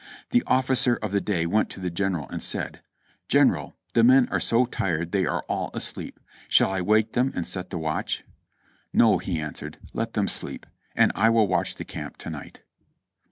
The officer of the day went to the General and said :" 'General, the men are so tired they are all asleep; shall I wake them and set the watch ?'" 'No,' he answered, 'let them sleep, and I will watch the camp to night.'